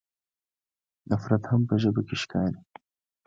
نفرت هم په ژبه کې ښکاري.